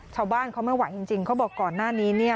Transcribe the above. ชาวบ้านเขาไม่ไหวจริงเขาบอกก่อนหน้านี้เนี่ย